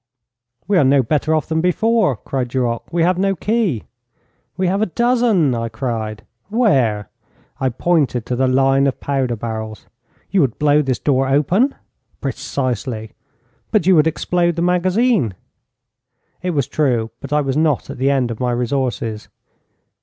'We are no better off than before,' cried Duroc. 'We have no key.' 'We have a dozen!' I cried. 'Where?' I pointed to the line of powder barrels. 'You would blow this door open?' 'Precisely.' 'But you would explode the magazine.' It was true, but I was not at the end of my resources.